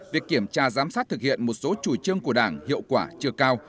việc kiểm tra giám sát thực hiện một số chủ trương của đảng hiệu quả chưa cao